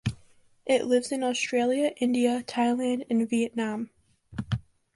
It lives in Australasia, India, Thailand and Vietnam.